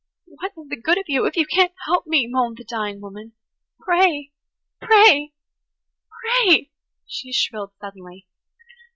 "What is the good of you if you can't help me?" moaned the dying woman. "Pray–pray–pray!" she shrilled suddenly.